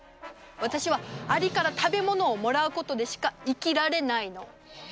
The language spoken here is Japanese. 私はアリから食べ物をもらうことでしか生きられないの。